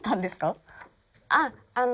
あっあの。